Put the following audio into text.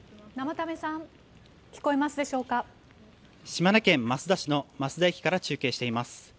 島根県益田市の益田駅から中継しています。